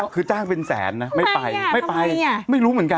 คือจ้างเป็นแสนนะไม่ไปไม่ไปไม่รู้เหมือนกัน